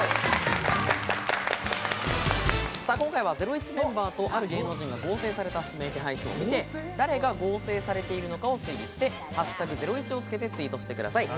今回はゼロイチメンバーとある芸能人が合成された指名手配書を見て、誰が合成されているのかを推理して「＃ゼロイチ」をつけてツイートしてください。